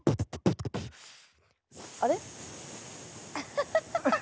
あれ？